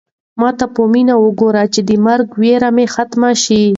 ما ته په مینه وګوره چې د مرګ وېره مې ختمه شي.